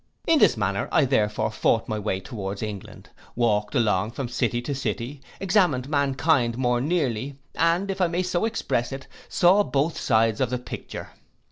In this manner therefore I fought my way towards England, walked along from city to city, examined mankind more nearly, and, if I may so express it, saw both sides of the picture.